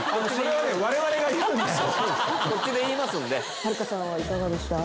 はるかさんはいかがでしたか？